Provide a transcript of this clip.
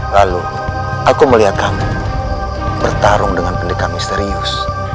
lalu aku melihat kamu bertarung dengan pendekam misterius